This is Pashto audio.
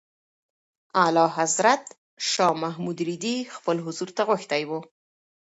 اعلیحضرت شاه محمود رېدی خپل حضور ته غوښتی و.